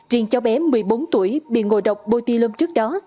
riêng cháu bé một mươi bốn tuổi bị ngộ độc botulinum trước đó